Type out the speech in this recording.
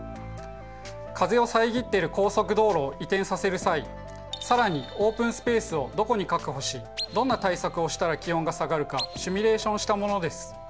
風を遮っている高速道路を移転させる際更にオープンスペースをどこに確保しどんな対策をしたら気温が下がるかシミュレーションしたものです。